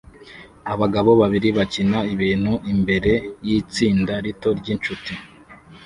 Abagabo babiri bakina ibintu imbere yitsinda rito ryinshuti